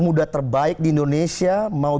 muda terbaik di indonesia mau